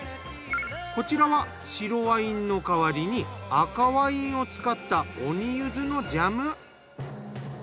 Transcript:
こちらは白ワインのかわりに赤ワインを使った鬼ゆずのジャム。